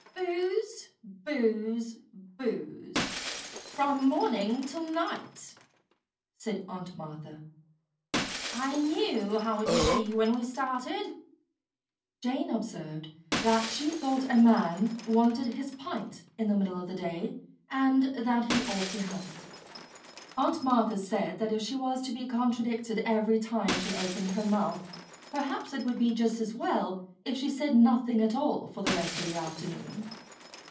"Booze, booze, booze, from morning till night," said Aunt Martha. "I knew how it would be when we started." Jane observed that she thought a man wanted his pint in the middle of the day, and that he ought to have it. Aunt Martha said that if she was to be contradicted every time she opened her mouth, perhaps it would be just as well if she said nothing at all for the rest of the afternoon.